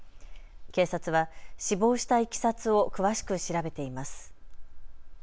警察は死亡したいきさつを詳しく調べています。